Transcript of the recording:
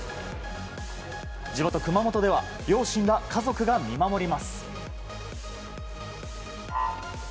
地元・熊本では両親ら家族が見守ります。